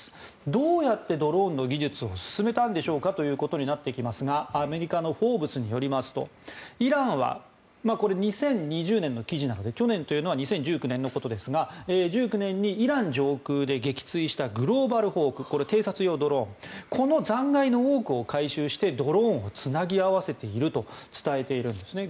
どうやってドローンの技術を進めたんでしょうかということになってきますがアメリカのフォーブスによりますとこれ２０２０年の記事なので去年というのは２０１９年のことですが１９年にイラン上空で撃墜したグローバルホークこれは偵察用ドローンこの残骸の多くを回収してドローンをつなぎ合わせていると伝えているんですね。